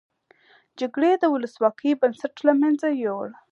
جګړې د ولسواکۍ بنسټ له مینځه یوړ.